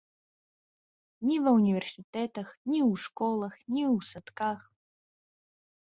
Ні ва ўніверсітэтах, ні ў школах, ні ў садках!